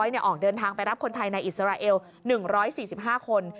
ออกเดินทางไปรับคนไทยในอิสราเอล๑๔๕คน